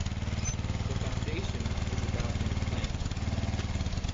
The foundation is about in plan.